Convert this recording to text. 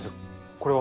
これは？